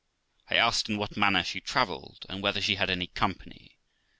I asked in what manner she travelled, and whether she had any company.